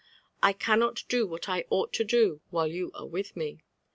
I cannot do what I ought to do while you are with me.